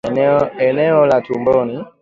eneo la tumboni